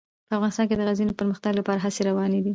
په افغانستان کې د غزني د پرمختګ لپاره هڅې روانې دي.